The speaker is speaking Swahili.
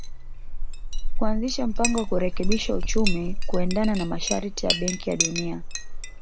kuanzisha mpango wa kurekebisha uchumi kuendana na masharti ya Benki ya Dunia